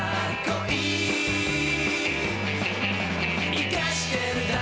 「イカしてるだろ？